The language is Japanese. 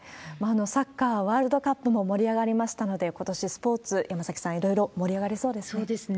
サッカーワールドカップも盛り上がりましたので、ことし、スポーツ、山崎さん、いろいろ盛り上がりそうですね。